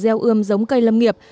gieo ươm giống cây lâm nghiệp